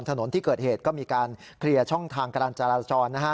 ถนนที่เกิดเหตุก็มีการเคลียร์ช่องทางการจราจรนะฮะ